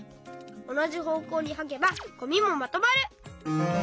おなじほうこうにはけばゴミもまとまる！